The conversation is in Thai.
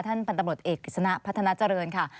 ท่านปันตำรวจเอกสณะพัฒนาเจริญค่ะ